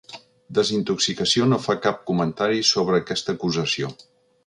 Desintoxicació no fa cap comentari sobre aquesta acusació.